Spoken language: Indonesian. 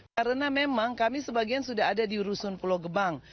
karena memang kami sebagian sudah ada di rusun pulau gebang